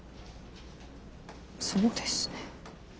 そうですね。